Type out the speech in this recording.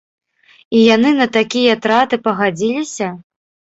І яны на такія траты пагадзіліся?